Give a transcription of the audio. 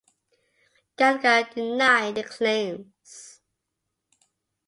Gallagher denied the claims.